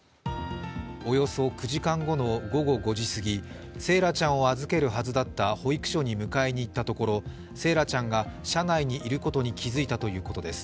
およそ９時間後の午後５時すぎ惺愛ちゃんを預けるはずだった保育所に迎えに行ったところ、惺愛ちゃんが車内にいることに気づいたということです。